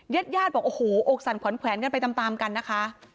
ญาติญาติบอกโอ้โหอกสั่นขวัญแขวนกันไปตามกันนะคะ